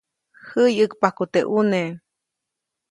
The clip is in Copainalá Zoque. Jäyʼäkpajku teʼ ʼuneʼ.